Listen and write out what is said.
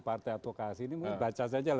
partai advokasi ini mungkin baca saja